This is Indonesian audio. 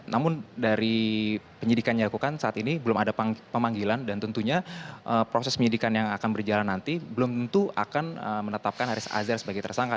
namun dari penyidikan yang dilakukan saat ini belum ada pemanggilan dan tentunya proses penyidikan yang akan berjalan nanti belum tentu akan menetapkan haris azhar sebagai tersangka